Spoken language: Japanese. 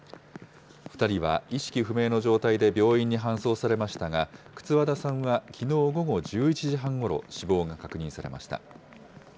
２人は意識不明の状態で病院に搬送されましたが、轡田さんはきのう午後１１時半ごろ、死亡が確認されました。